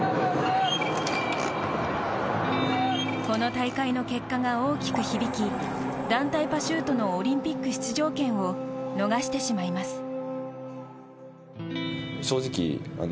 この大会の結果が大きく響き団体パシュートのオリンピック出場権を逃してしまいます。